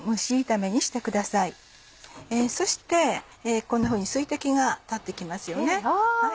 そしてこんなふうに水滴が立って来ますよね。